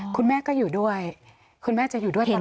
คุณแม่ก็อยู่ด้วยคุณแม่จะอยู่ด้วยตอนนี้